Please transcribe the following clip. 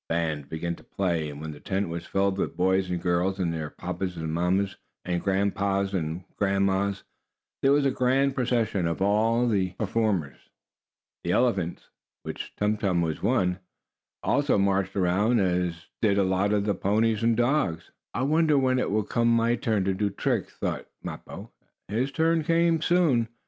The bands began to play, and when the tent was filled with boys and girls, and their papas and mammas, and grandpas and grandmas, there was a grand procession of all the performers. The elephants, of which Tum Tum was one, also marched around, as did lots of the ponies and dogs. "I wonder when it will come my turn to do tricks?" thought Mappo. His turn soon came.